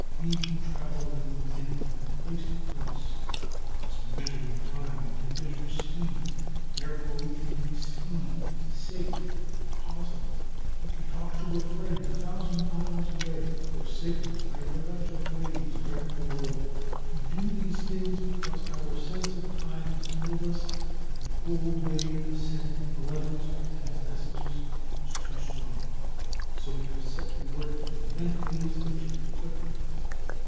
We can travel like the wind from place to place, because in measuring time we can measure speed, and therefore we can make speed safe and possible. We can talk to a friend a thousand miles away, or signal by electric waves around the world. We do these things because our sense of time has told us that the old way of sending letters and messages was too slow. And so we have set to work to invent ways that should be quicker.